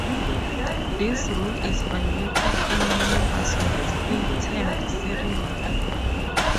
This rule is violated in numerous works still termed "serial".